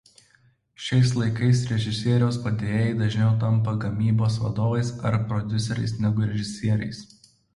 Šiais laikais režisieriaus padėjėjai dažniau tampa gamybos vadovais ar prodiuseriais negu režisieriais.